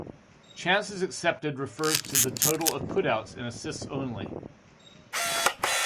Chances accepted refers to the total of putouts and assists only.